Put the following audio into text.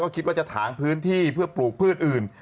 คิดว่าจะถางพื้นที่เพื่อปลูกพืชอื่น